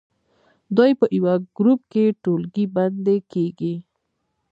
دوی په یوه ګروپ کې ټولګی بندي کیږي.